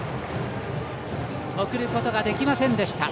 送ることはできませんでした。